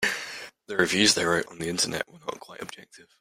The reviews they wrote on the Internet were not quite objective.